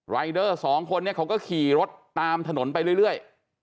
รายเดอร์สองคนเนี่ยเขาก็ขี่รถตามถนนไปเรื่อย